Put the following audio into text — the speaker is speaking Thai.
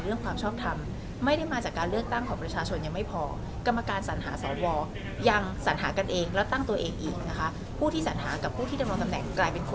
เรื่องความชอบทำ